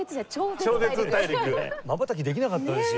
まばたきできなかったですよ。